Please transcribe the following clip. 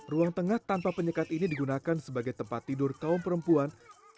ruang tengah tanpa penyekat ini digunakan sebagai tempat tidur kaum perempuan